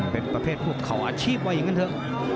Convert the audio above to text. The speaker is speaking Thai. เป็นประเภทพวกเขาอาชีพว่าอย่างนั้นเถอะ